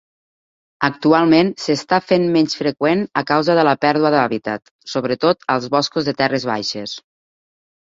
Actualment s'està fent menys freqüent a causa de la pèrdua d'hàbitat, sobretot als boscos de terres baixes.